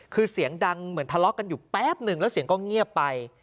คือเสียงดังเหมือนทะเลาะกันอยู่แป๊บหนึ่งแล้วเสียงก็เงียบไป